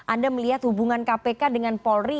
anda melihat hubungan kpk dengan polri